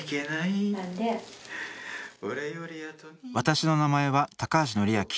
私の名前は高橋敬明。